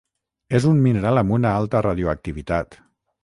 És un mineral amb una alta radioactivitat.